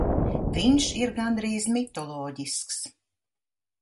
Viņš ir gandrīz mitoloģisks.